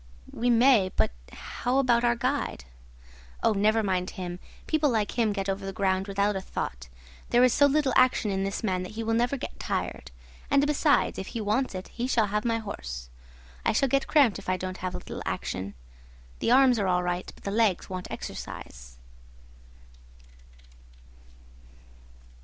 "We may; but how about our guide?" "Oh, never mind him. People like him get over the ground without a thought. There is so little action in this man that he will never get tired; and besides, if he wants it, he shall have my horse. I shall get cramped if I don't have a little action. The arms are all right, but the legs want exercise."